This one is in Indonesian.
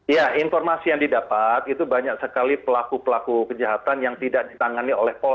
ya informasi yang didapat itu banyak sekali pelaku pelaku kejahatan yang tidak ditangani oleh polri